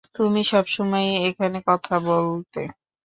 তুমি সবসময়ই এখানে কথা বলতে।